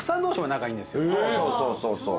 そうそうそうそうそう。